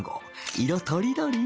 色とりどり。